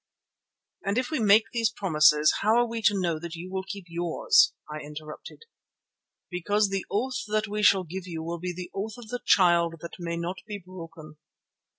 "And if we make these promises how are we to know that you will keep yours?" I interrupted. "Because the oath that we shall give you will be the oath of the Child that may not be broken."